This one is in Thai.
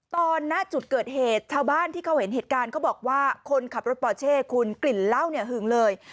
ณจุดเกิดเหตุชาวบ้านที่เขาเห็นเหตุการณ์เขาบอกว่าคนขับรถปอเช่คุณกลิ่นเหล้าเนี่ยหึงเลย